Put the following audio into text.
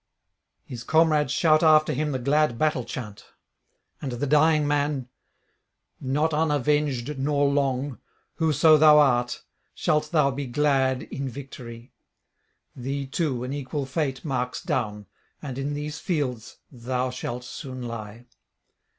His comrades shout after him the glad battle chant. And the dying man: 'Not unavenged nor long, whoso thou art, shalt thou be glad in victory: thee too an equal fate marks down, and in these fields thou shalt soon lie.'